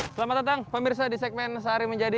selamat datang pemirsa di segmen sehari menjadi